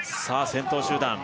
先頭集団